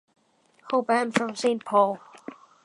Hoban from Saint Paul.